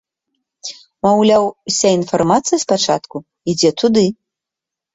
Маўляў, уся інфармацыя спачатку ідзе туды.